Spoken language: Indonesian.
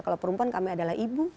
kalau perempuan kami adalah ibu